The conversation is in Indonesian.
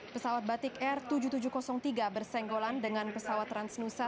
pesawat batik air tujuh ribu tujuh ratus tiga bersenggolan dengan pesawat transnusa